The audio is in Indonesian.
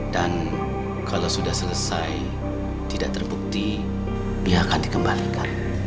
dan kalau sudah selesai tidak terbukti dia akan dikembalikan